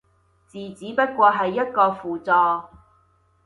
字只不過係一個輔助